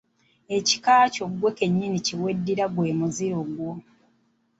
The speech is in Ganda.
Ekika kyo ggwe kennyini kye weddira gwe muziro gwo.